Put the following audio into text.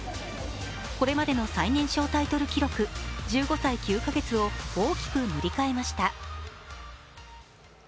これまでの最年少タイトル記録、１５歳９か月を大きく塗り替えました